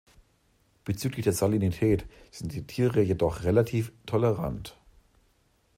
Bezüglich der Salinität sind die Tiere jedoch relativ tolerant.